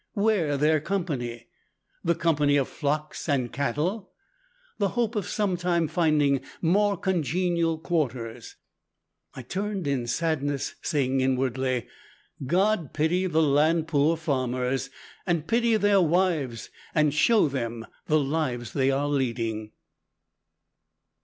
Where their company? The company of flocks and cattle. The hope of sometime finding more congenial quarters. I turned in sadness, saying inwardly, "God pity the land poor farmers, and pity their wives, and show them the lives they are leading!"